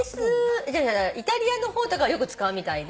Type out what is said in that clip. イタリアの方とかよく使うみたいで。